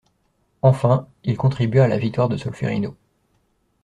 Enfin, il contribua à la victoire de Solférino.